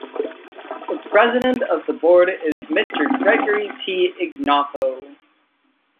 The president of the board is Mr. Gregory T. Ignoffo.